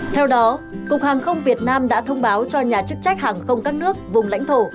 theo đó cục hàng không việt nam đã thông báo cho nhà chức trách hàng không các nước vùng lãnh thổ